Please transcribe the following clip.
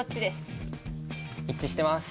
一致してます。